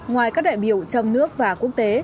ngoài các đại biểu trong nước và quốc tế